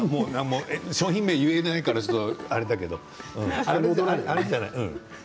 商品名言えないからあれだけど、あるじゃない。